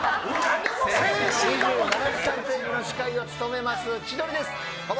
「２７時間テレビ」の司会を務めます、千鳥です。